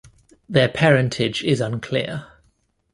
Their parentage is unclear.